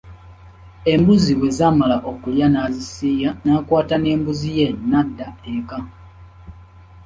Embuzi bwe zaamala okulya n'azisiiya n'akwata n’embuzi ye n’adda eka.